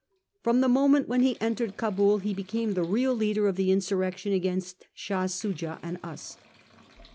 From the moment when he entered Cabul he became the real leader of the insurrection against Shah Soojah and us.